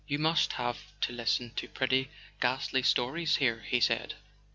.. "You must have to listen to pretty ghastly stories here," he said.